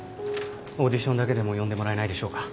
オーディションだけでも呼んでもらえないでしょうか。